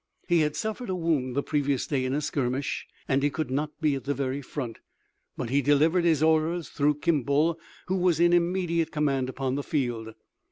He had suffered a wound the previous day in a skirmish, and he could not be at the very front, but he delivered his orders through Kimball, who was in immediate command upon the field.